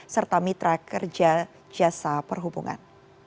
serta mitra kerja jasa perhubungan